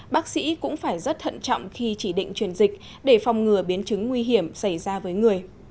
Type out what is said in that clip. bác sĩ cũng phải rất thận trọng khi chỉ định truyền dịch để phòng ngừa biến chứng nguy hiểm xảy ra với người